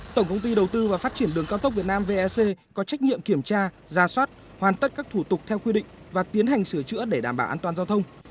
tổng công ty đầu tư và phát triển đường cao tốc việt nam vec có trách nhiệm kiểm tra ra soát hoàn tất các thủ tục theo quy định và tiến hành sửa chữa để đảm bảo an toàn giao thông